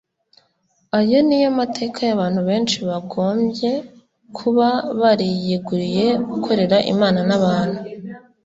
aya ni yo mateka y'abantu benshi bagombye kuba bariyeguriye gukorera imana n'abantu